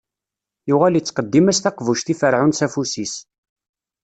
Yuɣal ittqeddim-as taqbuct i Ferɛun s afus-is.